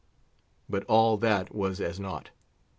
But all that was as naught.